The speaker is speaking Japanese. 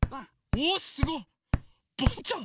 おすごい！ボンちゃん！